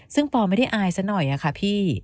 ซึ่งปอไม่ได้อายซะหน่อยค่ะพี่